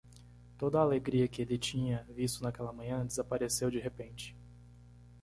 Toda a alegria que ele tinha visto naquela manhã desapareceu de repente.